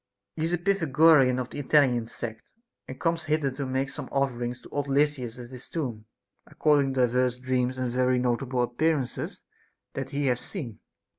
He is a Pythagorean of the Italian sect, and comes hither to make some offerings to old Lysis at his tomb, according to divers dreams and very notable appearances that he hath seen.